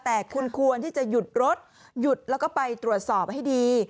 แต่คุณควรที่จะหยุดรถหยุดแล้วก็ไปตรวจสอบให้ดี